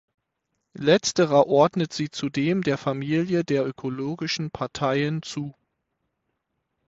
Letzterer ordnet sie zudem der Familie der ökologischen Parteien zu.